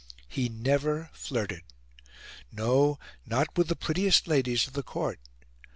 He never flirted no, not with the prettiest ladies of the Court.